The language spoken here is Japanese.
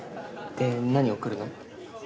で何送るの？